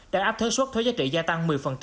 đã áp thuế xuất thuế giá trị gia tăng một mươi